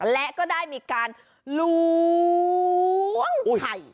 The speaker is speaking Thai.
และก็ได้มีการล้วงไข่